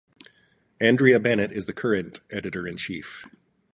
Andrea Bennett is the current editor-in-chief.